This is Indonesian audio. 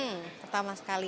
hmm hmm pertama sekali